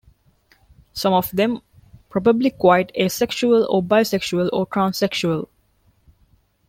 Some of them probably quite asexual or bisexual or transsexual!